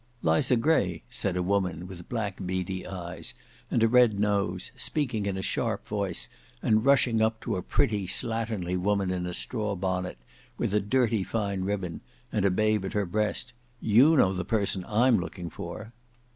"Liza Gray," said a woman with black beady eyes and a red nose, speaking in a sharp voice and rushing up to a pretty slatternly woman in a straw bonnet with a dirty fine ribbon, and a babe at her breast; "you know the person I'm looking for."